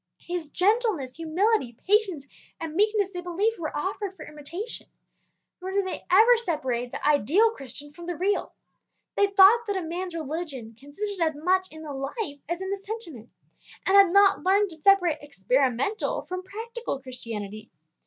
His gentleness, humility, patience, and meekness they believed were offered for imitation, nor did they ever separate the ideal Christian from the real. They thought that a man's religion consisted as much in the life as in the sentiment, and had not learned to separate experimental from practical Christianity.